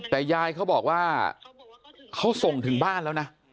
แต่ยายเขาบอกว่าเขาส่งถึงบ้านแล้วนะ